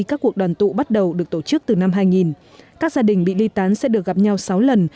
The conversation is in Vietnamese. các cuộc đoàn tụ bắt đầu được tổ chức từ năm hai nghìn các gia đình bị ly tán sẽ được gặp nhau sáu lần